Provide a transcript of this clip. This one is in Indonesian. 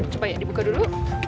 coba ya dibuka dulu